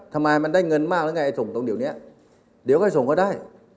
ทำไมมันได้เงินมากแล้วไงส่งตรงเดี๋ยวนี้เดี๋ยวก็ให้ส่งเขาได้